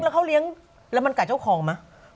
แล้วเขาเลี้ยงแล้วมันกัดเจ้าของไหม